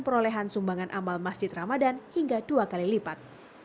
perolehan sumbangan amal masjid ramadan hingga dua kali lipat